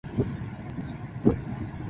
缆车分成两段